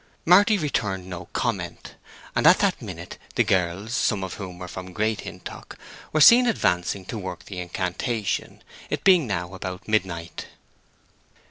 Marty returned no comment; and at that minute the girls, some of whom were from Great Hintock, were seen advancing to work the incantation, it being now about midnight.